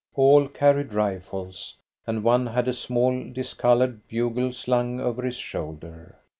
All carried rifles, and one had a small discoloured bugle slung over his shoulder.